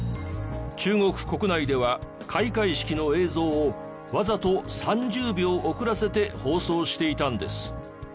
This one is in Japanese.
中国国内では開会式の映像をわざと３０秒遅らせて放送していたんです。